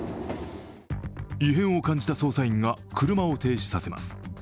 異変を感じた捜査員が車を停止させます。